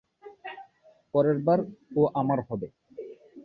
পরেরবার, ও আমার হবে!